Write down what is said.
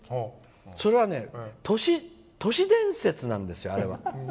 それは都市伝説なんですよ。